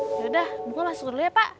ya udah bunga masuk dulu ya pak